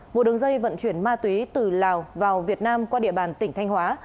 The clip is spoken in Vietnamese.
một đường dây vận chuyển ma túy từ lào vào việt nam qua địa bàn tỉnh thanh hóa